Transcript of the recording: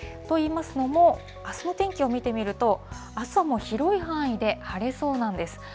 といいますのも、あすの天気を見てみると、あすはもう広い範囲で晴れそうなんです。